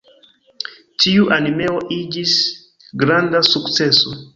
Tiu animeo iĝis granda sukceso.